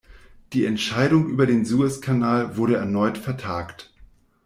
Die Entscheidung über den Suezkanal wurde erneut vertagt.